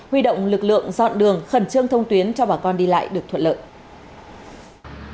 huy động lực lượng dọn đường khẩn trương thông tuyến cho bà con đi lại được thuận lợi